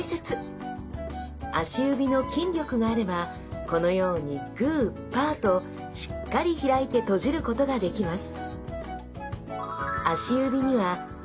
足指の筋力があればこのように「グー・パー」としっかり開いて閉じることができます